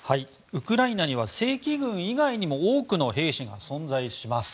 ウクライナには正規軍以外にも多くの兵士が存在します。